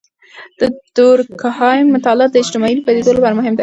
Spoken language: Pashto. د دورکهايم مطالعات د اجتماعي پدیدو لپاره مهم دي.